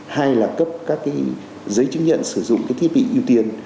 hay là cấp các cái giấy chứng nhận sử dụng cái thiết bị ưu tiên